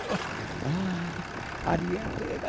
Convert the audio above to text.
あありがてえな。